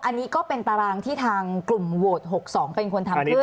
อันนี้ก็เป็นตารางที่ทางกลุ่มโหวต๖๒เป็นคนทำขึ้น